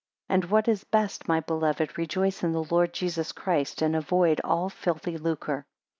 13 And what is best, my beloved rejoice in the Lord Jesus Christ and avoid all filthy lucre.